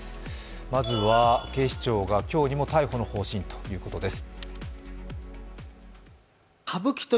まずは警視庁が今日にも逮捕の方針ということです。